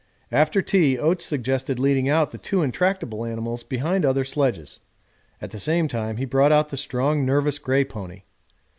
After tea Oates suggested leading out the two intractable animals behind other sledges; at the same time he brought out the strong, nervous grey pony.